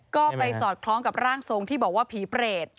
ก็ไปสอดคล้องกับร่างทรงที่บอกว่าผีเปรต